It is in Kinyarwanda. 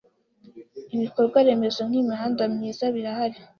Ibikorwa remezo nk’imihanda myiza birahari